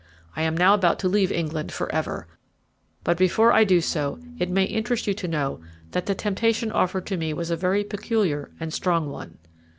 I am now about to leave England for ever, but before I do so, it may interest you to know that the temptation offered to me was a very peculiar and strong one.